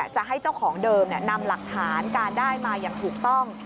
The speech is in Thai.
จะให้เจ้าของเดิมนำหลักฐานการได้มาอย่างถูกต้อง